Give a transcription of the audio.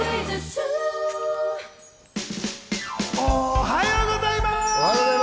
おはようございます。